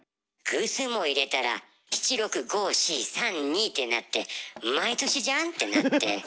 偶数も入れたら七六五四三二ってなって毎年じゃん？ってなって。